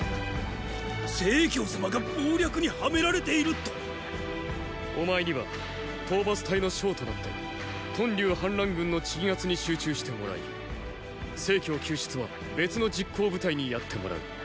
成様が謀略にはめられていると⁉お前には討伐隊の将となって屯留反乱軍の鎮圧に集中してもらい成救出は別の実行部隊にやってもらう。